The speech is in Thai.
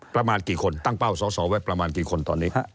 ประมาณกี่คนตั้งเป้าสอสอไว้ประมาณกี่คนตอนนี้